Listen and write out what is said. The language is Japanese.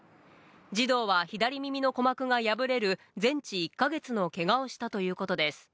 児童は左耳の鼓膜が破れる全治１か月のけがをしたということです。